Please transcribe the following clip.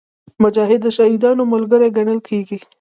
مجاهد د شهیدانو ملګری ګڼل کېږي.